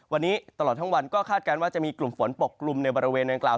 วันนี้ตลอดทั้งวันก็คาดการณ์ว่าจะมีกลุ่มฝนปกกลุ่มในบริเวณนางกล่าว